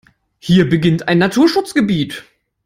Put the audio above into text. Hier beginnt ein Naturschutzgebiet.